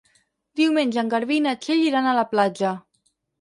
Diumenge en Garbí i na Txell iran a la platja.